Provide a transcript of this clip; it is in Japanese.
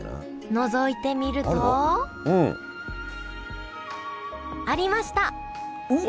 のぞいてみるとうん。ありましたうわっ！